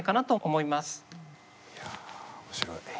いや面白い。